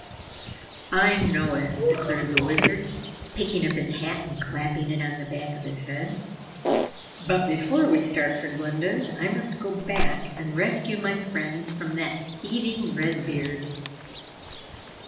"I know it!" declared the Wizard, picking up his hat and clapping it on the back of his head. "But before we start for Glinda's, I must go back and rescue my friends from that thieving Red Beard."